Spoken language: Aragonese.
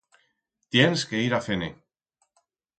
Tiens que ir a fer-ne.